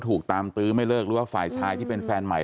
ถูกตามตื้อไม่เลิกหรือว่าฝ่ายชายที่เป็นแฟนใหม่